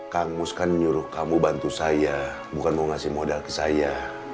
kang mus kan nyuruh kamu bantu saya bukan mau ngasih modal ke saya